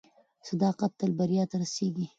صداقت تل بریا ته رسیږي.